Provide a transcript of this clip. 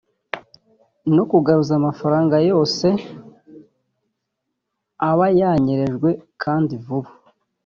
no kugaruza amafaranga yose aba yanyerejwe kandi vuba